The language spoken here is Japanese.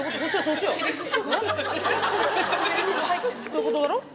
そういうことだろ？